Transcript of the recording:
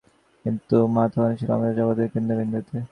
কিন্তু মা তখনও ছিল আমাদের জগতের কেন্দ্রবিন্দুতে।